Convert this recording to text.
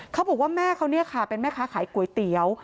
เขาบอกว่าแม่เขาเป็นแม่ค้าขายก๋วยเตี๋ยว